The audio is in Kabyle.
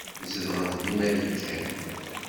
Zedɣent deg Marikan.